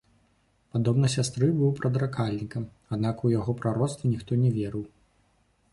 Падобна сястры, быў прадракальнікам, аднак у яго прароцтвы ніхто не верыў.